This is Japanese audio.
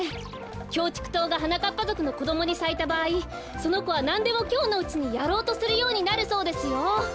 キョウチクトウがはなかっぱぞくのこどもにさいたばあいそのこはなんでもきょうのうちにやろうとするようになるそうですよ。